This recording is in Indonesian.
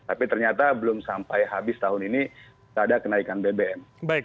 tapi ternyata belum sampai habis tahun ini tidak ada kenaikan bbm